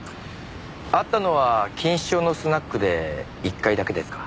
会ったのは錦糸町のスナックで１回だけですか？